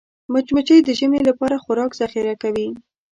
مچمچۍ د ژمي لپاره خوراک ذخیره کوي